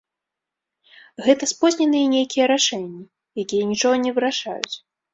Гэта спозненыя нейкія рашэнні, якія нічога не вырашаюць.